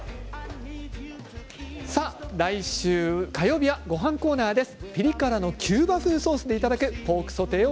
来週火曜日はごはんコーナーです。